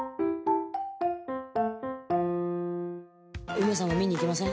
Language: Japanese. ウメさんも見に行きません？